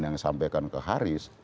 yang disampaikan ke haris